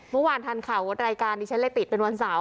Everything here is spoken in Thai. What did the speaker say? เมื่อวานทันข่าวรายการดิฉันเลยติดเป็นวันเสาร์